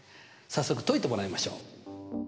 早速解いてもらいましょう。